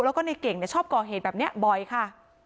แล้วก็ในเก่งชอบก่อเหตุแบบนี้บ่อยค่ะ